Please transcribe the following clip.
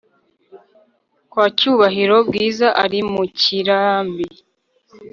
kwa cyubahiro bwiza ari mukirambi